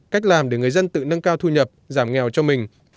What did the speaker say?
cách làm để người dân tự nâng cao thu nhập giảm nghèo cho mình